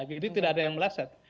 jadi tidak ada yang meleset